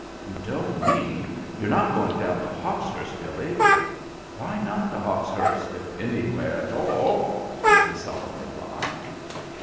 "You don't mean you're not going down to Hawkshurst, Billy?" "Why not to Hawkshurst, if anywhere at all?" is the sullen reply.